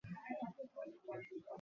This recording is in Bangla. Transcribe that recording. কিন্তু কন্যাকে এ সংবাদ শুনান নাই।